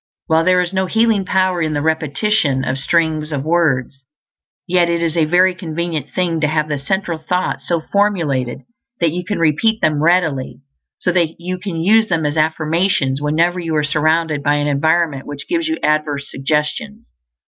While there is no healing power in the repetition of strings of words, yet it is a very convenient thing to have the central thoughts so formulated that you can repeat them readily, so that you can use them as affirmations whenever you are surrounded by an environment which gives you adverse suggestions.